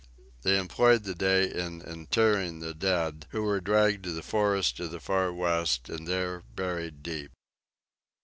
They employed the day in interring the dead, who were dragged to the forest of the Far West, and there buried deep.